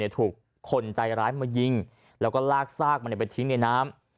ถูกคนใจร้ายมายิงแล้วก็ลากซากมันไปทิ้งในน้ำ